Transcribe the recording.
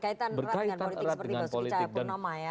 itu berkaitan erat dengan politik seperti bahwa sekitar purnama ya